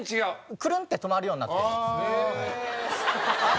クルン！って止まるようになってるんです。